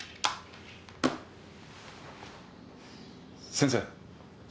先生。